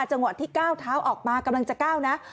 จังหวัดที่๙ท้าวออกมากำลังจะก้าวนะ